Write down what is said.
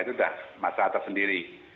itu sudah masalah tersendiri